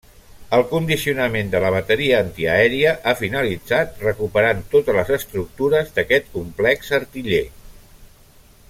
El condicionament de la bateria antiaèria ha finalitzat recuperant totes les estructures d’aquest complex artiller.